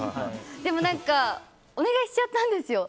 でも、お願いしちゃったんですよ。